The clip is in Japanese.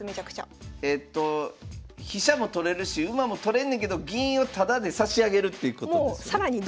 だからえっと飛車も取れるし馬も取れんねんけど銀をタダで差し上げるっていうことですよね。